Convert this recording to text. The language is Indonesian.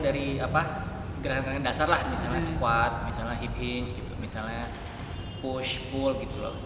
dari gerakan gerakan dasar lah misalnya squat misalnya hip hinge misalnya push pull gitu loh